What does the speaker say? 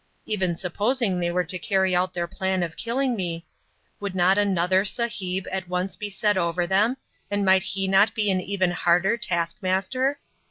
Even supposing they were to carry out their plan of killing me, would not another "Sahib" at once be set over them, and might he not be an even harder task master?